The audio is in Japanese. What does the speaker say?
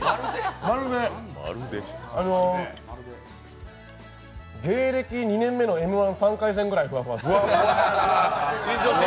あの、芸歴２年目の「Ｍ−１」３回戦ぐらいふわふわです。